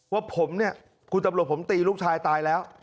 ว่าผมเนี่ยคุณตำรวจผมตีลูกชายตายแล้ว